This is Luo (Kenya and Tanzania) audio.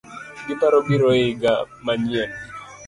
Giparo biro iga manyien